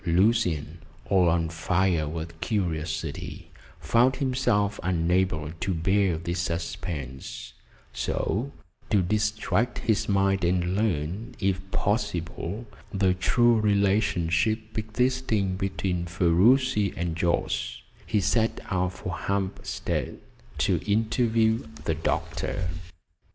Lucian, all on fire with curiosity, found himself unable to bear this suspense, so to distract his mind and learn, if possible, the true relationship existing between Ferruci and Jorce, he set out for Hampstead to interview the doctor.